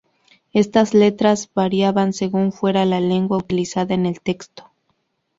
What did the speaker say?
Estas letras variaban según fuera la lengua utilizada en el texto.